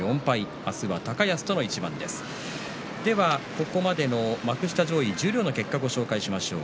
ここまでの幕下上位十両の結果をご紹介しましょう。